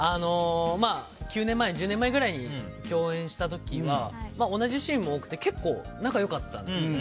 ９年前、１０年前くらいに共演した時は同じシーンも多くて、結構仲良かったんですよ。